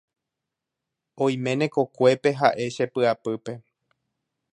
oiméne kokuépe ha'e che py'apýpe